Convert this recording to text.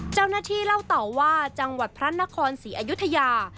เจ้าหน้าที่เล่าต่อว่าจังหวัดพระนครศรีอยุธยา